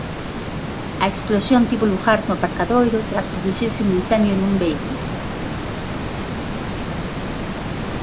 A explosión tivo lugar no aparcadoiro tras producirse un incendio nun vehículo.